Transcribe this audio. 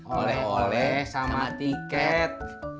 oleh oleh sama tiket